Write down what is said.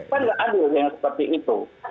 kan nggak adil yang seperti itu